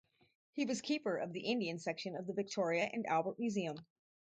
He was Keeper of the Indian Section of the Victoria and Albert Museum.